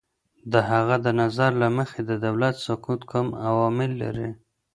د هغه د نظر له مخې، د دولت سقوط کوم عوامل لري؟